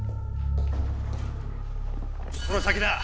この先だ！